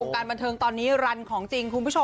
การบันเทิงตอนนี้รันของจริงคุณผู้ชม